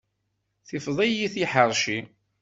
Tifeḍ-iyi tiḥeṛci.